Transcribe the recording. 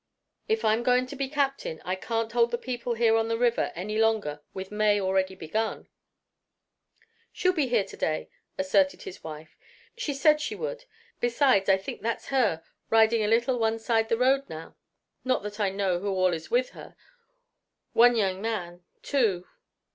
If I'm going to be captain I can't hold the people here on the river any longer, with May already begun." "She'll be here to day," asserted his wife. "She said she would. Besides, I think that's her riding a little one side the road now. Not that I know who all is with her. One young man two.